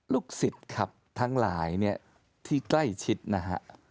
ลูกศิษย์ครับทั้งหลายเนี่ยที่ใกล้ชิดนะฮะ